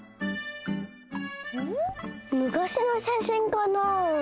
ん？むかしのしゃしんかなあ？